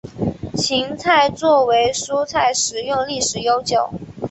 芹菜作为蔬菜食用历史悠久。